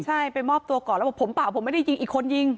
ใช่ไปมอบตัวก่อนแล้วบอกผมเปล่าผมไม่ได้ยิงอีกคนยิง